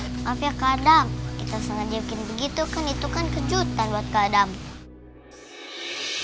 maaf ya kadang kita sengaja bikin begitu kan itu kan kejutan buat kadang